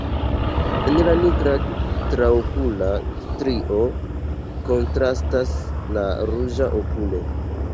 En la nigra traokula strio kontrastas la ruĝa okulo.